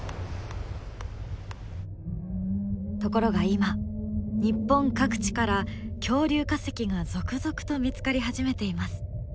ところが今日本各地から恐竜化石が続々と見つかり始めています。